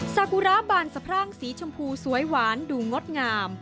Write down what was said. สากุระบานสะพรั่งสีชมพูสวยหวานดูงดงาม